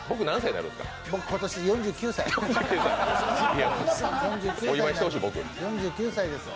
僕、今年４９歳です。